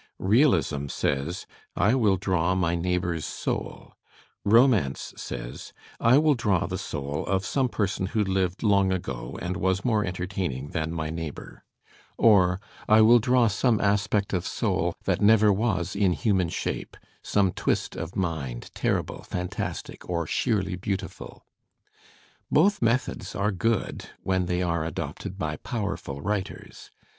Realism says: "I will draw my neigh bour's soul." Romance says: "I will draw the soul of some person who lived long ago and was more entertaining than my neighbour," or "I will draw some aspect of soul that never 77 Digitized by Google 78 THE SPIRIT OF AMERICAN LITERATURE was in human shape, some twist of mind, terrible, fantastic or sheeriy beautiful." Both methods are good — when they are adopted by powerful writers.